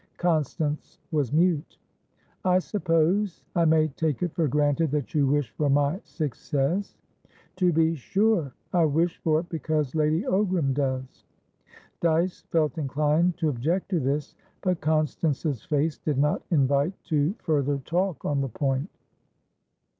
Constance was mute. "I suppose I may take it for granted that you wish for my success?" "To be sure. I wish for it because Lady Ogram does." Dyce felt inclined to object to this, but Constance's face did not invite to further talk on the point.